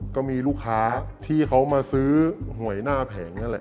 ก็มีลูกค้าที่เขามาซื้อห่วยหน้าแผง